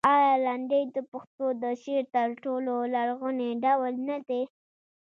آیا لنډۍ د پښتو د شعر تر ټولو لرغونی ډول نه دی؟